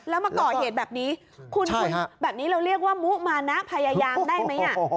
แล้วมาก่อเหตุแบบนี้คุณแบบนี้เราเรียกว่ามุมานะพยายามได้ไหม